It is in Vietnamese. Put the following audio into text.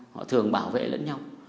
họ thường bảo vệ lẫn nhau